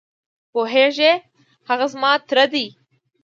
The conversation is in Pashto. پوهېږې؟ هغه زما تره دی.